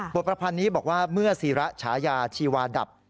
ประพันธ์นี้บอกว่าเมื่อศิระฉายาชีวาดับ